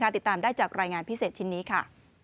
ติดตามได้จากรายงานพิเศษชิ้นนี้ค่ะ